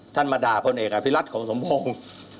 มาด่าพลเอกอภิรัตของสมพงศ์